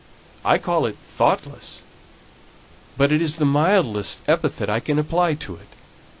I call it thoughtless, but it's the mildest epithet I can apply to it.